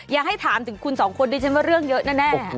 อย่าให้ถามถึงคุณสองคนดิฉันว่าเรื่องเยอะแน่